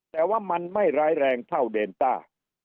แต่ว่ามันไม่ร้ายแรงเท่าเดนต้า